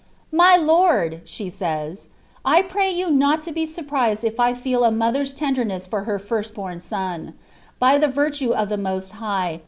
" My lord," said she, " I pray you not to be surprised if I feel a '.iumer'i lendemess for my first bom son. By the virtoe of the Most lUh.